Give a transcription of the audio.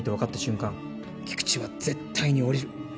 菊地は絶対に降りる。